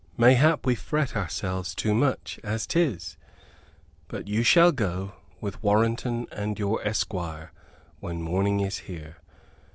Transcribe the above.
Mayhap we fret ourselves too much, as 'tis. But you shall go, with Warrenton and your esquire, when morning is here.